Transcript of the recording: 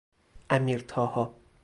امیرطاها